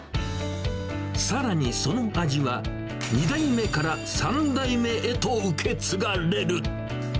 さらに、その味は２代目から３代目へと受け継がれる。